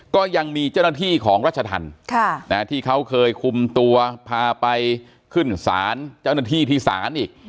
ก็ยังมีเจ้าหน้าที่ของรัชธรรมที่เขาเคยคุมตัวพาไปขึ้นศาลเจ้าหน้าที่ที่ศาลอีก